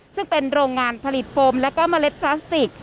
ซึ่งเป็นโรงงานผลิตโฟมแล้วก็เมล็ดพลาสติก